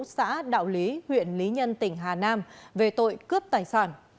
xã đạo lý huyện lý nhân tỉnh hà nam về tội cướp tài sản